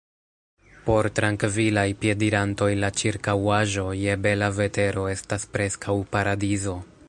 Por trankvilaj piedirantoj la ĉirkaŭaĵo, je bela vetero, estas preskaŭ paradizo.